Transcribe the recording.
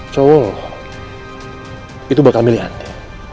cowok lo itu bakal milih anti